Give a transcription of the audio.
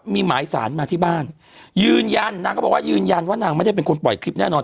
มีหมายสารมาที่บ้านยืนยันนางก็บอกว่ายืนยันว่านางไม่ได้เป็นคนปล่อยคลิปแน่นอน